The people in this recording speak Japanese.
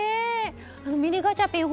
ミニガチャピン